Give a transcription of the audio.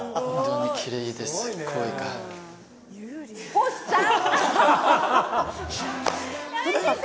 星さん！